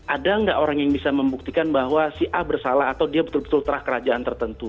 ada nggak orang yang bisa membuktikan bahwa si a bersalah atau dia betul betul terah kerajaan tertentu